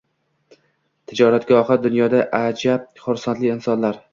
Tijoratgohi dunyoda ajab, xusronli insonlar